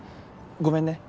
ごめんね。